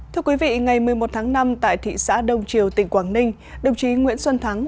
thưa quý vị ngày một mươi một tháng năm tại thị xã đông triều tỉnh quảng ninh đồng chí nguyễn xuân thắng